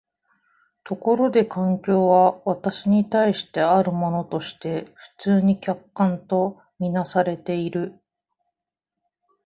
ところで環境は私に対してあるものとして普通に客観と看做されている。